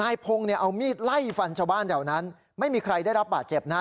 นายพงศ์เนี่ยเอามีดไล่ฟันชาวบ้านแถวนั้นไม่มีใครได้รับบาดเจ็บนะฮะ